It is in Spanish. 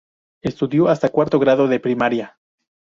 Estudió hasta cuarto grado de primaria.